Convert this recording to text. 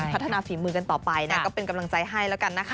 พัฒนาฝีมือกันต่อไปนะก็เป็นกำลังใจให้แล้วกันนะคะ